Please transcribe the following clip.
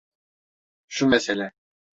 Şu mesele.